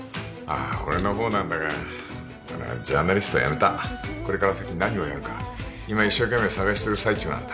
あ俺のほうなんだがジャーナリスト辞めたこれから先何をやるか今一生懸命探してる最中なんだ